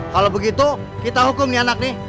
kalau begitu kita hukum nih anak nih